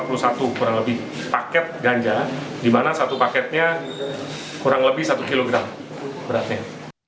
total bp nya satu ratus empat puluh satu kurang lebih paket ganja di mana satu paketnya kurang lebih satu kg beratnya